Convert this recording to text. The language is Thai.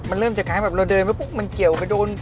มันเริ่มจากการแบบเราเดินไปปุ๊บมันเกี่ยวไปโดน